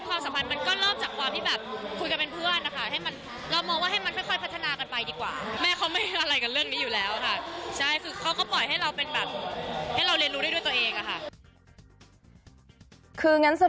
ความสัมพันธ์มันก็เริ่มจากความที่แบบคุยกันเป็นเพื่อนนะคะ